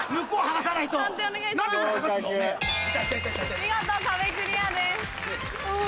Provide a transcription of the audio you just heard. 見事壁クリアです。